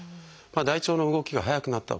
大腸の動きが速くなった